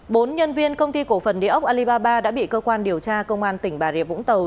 bốn nhân viên công ty cổ phần địa ốc alibaba đã bị cơ quan điều tra công an tỉnh bà rịa vũng tàu